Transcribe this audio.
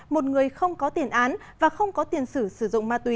một người không có tiền án và không có tiền sử sử dụng ma túy